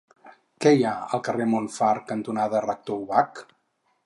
Què hi ha al carrer Montfar cantonada Rector Ubach?